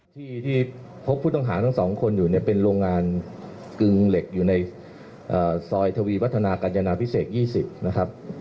ที่พบผู้ต้องหาทั้งสองคนอยู่เนี่ยเป็นโรงงานกึงเหล็กอยู่ในซอยทวีวัฒนากัญจนาพิเศษ๒๐นะครับ